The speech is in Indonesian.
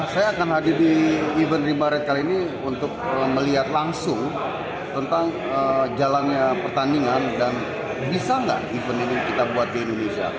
saya akan hadir di event reba rate kali ini untuk melihat langsung tentang jalannya pertandingan dan bisa nggak event ini kita buat di indonesia